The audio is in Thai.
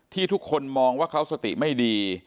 ทุกคนมองว่าเขาสติไม่ดี